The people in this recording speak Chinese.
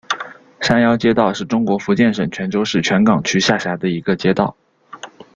山腰街道是中国福建省泉州市泉港区下辖的一个街道。